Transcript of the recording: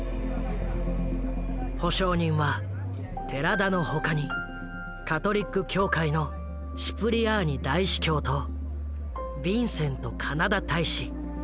保証人は寺田の他にカトリック教会のシプリアーニ大司教とヴィンセントカナダ大使。